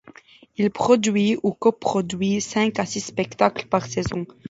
Il produit ou coproduit cinq à six spectacles par saison.